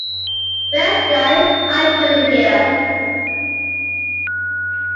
Thanks guys, I put it here.